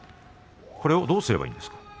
これをどうすればいいですか。